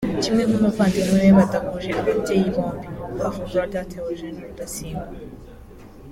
kimwe n’umuvandimwe we badahuje ababyeyi bombi (half brother) Theogene Rudasingwa